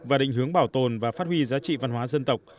và định hướng bảo tồn và phát huy giá trị văn hóa dân tộc